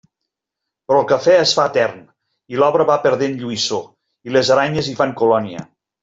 Però el café es fa etern, i l'obra va perdent lluïssor, i les aranyes hi fan colònia.